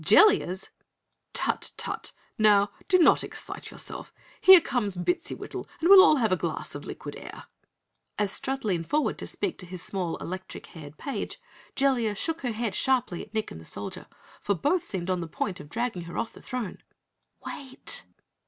"Jellia's " "Tut! Tut! Now do not excite yourself! Here comes Bittsywittle and we'll all have a glass of liquid air." As Strut leaned forward to speak to his small, electric haired page, Jellia shook her head sharply at Nick and the Soldier, for both seemed on the point of dragging her off the throne. "Wait!"